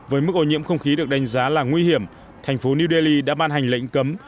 với mức ô nhiễm không khí được đánh giá là nguy hiểm thành phố new delhi đã ban hành lệnh cấm